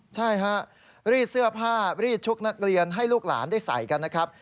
ใช่ฮะรีดเสื้อผ้ารีดชุดนักเรียนให้ลูกหลานได้ใส่กันนะครับ